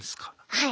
はい。